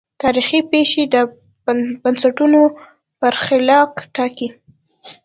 تاریخي پېښې د بنسټونو برخلیک ټاکي.